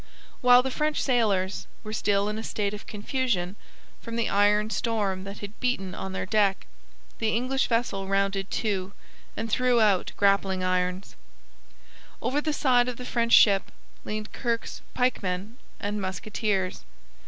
While the French sailors were still in a state of confusion from the iron storm that had beaten on their deck, the English vessel rounded to and threw out grappling irons. Over the side of the French ship leaped Kirke's pikemen and musketeers.